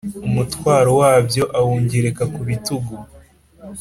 umutwaro wabyo awungereka ku bitugu,